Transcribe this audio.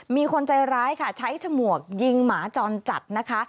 มีคนใจร้ายค่ะใช้ฉมวกยิงหมาจรจัดนะคะ